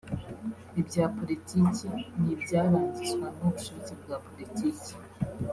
Ibya politiki ni ibyarangizwa n’ubushake bwa politiki